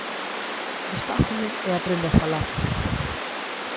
Desfágome e aprendo a falar.